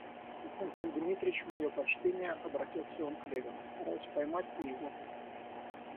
Константин Дмитрич, мое почтение, — обратился он к Левину, стараясь поймать и его руку.